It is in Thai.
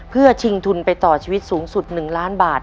เพื่อชิงทุนไปต่อชีวิตสูงสุด๑ล้านบาท